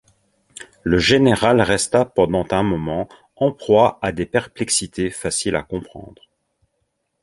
Le général resta pendant un moment en proie à des perplexités faciles à comprendre.